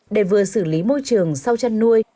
để vừa xử lý môi trường sau chăn nuôi